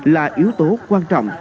là yếu tố quan trọng